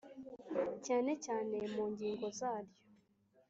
Cyane cyane mu ngingo zaryo